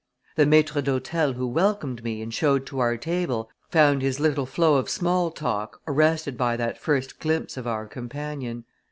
The maître d'hôtel who welcomed me and showed to our table found his little flow of small talk arrested by that first glimpse of our companion.